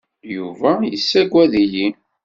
Yuba yessaged-iyi.